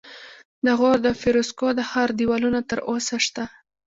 د غور د فیروزکوه د ښار دیوالونه تر اوسه شته